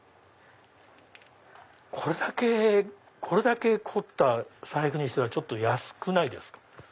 これだけ凝った財布にしてはちょっと安くないですか？